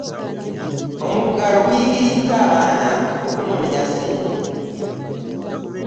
omugalo guyigiriza abaana okunonya sente